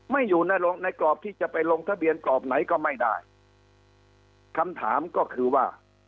ไม่อยู่ในกรอบที่จะไปลงทะเบียนกรอบไหนก็ไม่ได้คำถามก็คือว่า